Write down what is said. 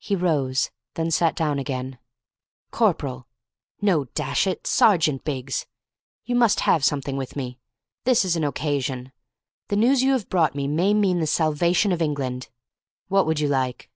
He rose; then sat down again. "Corporal no, dash it, Sergeant Biggs you must have something with me. This is an occasion. The news you have brought me may mean the salvation of England. What would you like?"